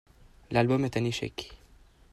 L'album est un échec.